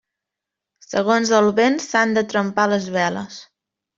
Segons el vent s'han de trempar les veles.